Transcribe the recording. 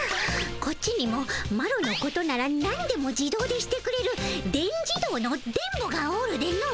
こっちにもマロのことならなんでも自動でしてくれる電自動の電ボがおるでの。